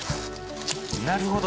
なるほど。